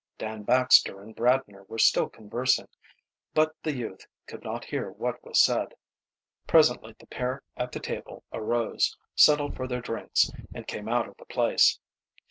Dan Baxter and Bradner were still conversing, but the youth could not hear what was said. Presently the pair at the table arose, settled for their drinks and came out of the place.